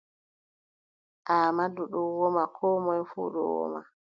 Aamadu ɗon woma Koo moy fuu ɗon woma.